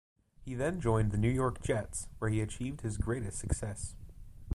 He then joined the New York Jets, where he achieved his greatest success.